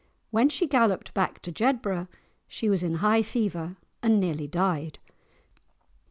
When she galloped back to Jedburgh, she was in high fever and nearly died.